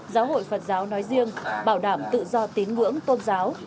giáo hội phật giáo nói riêng bảo đảm tự do tín ngưỡng tôn giáo